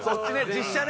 実写ね。